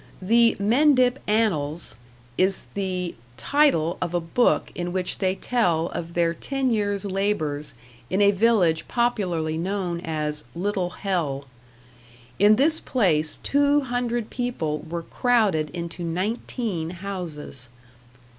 The "Mendip Annals" is the title of a book in which they tell of their ten years' labors in a village popularly known as "Little Hell." In this place two hundred people were crowded into nineteen houses.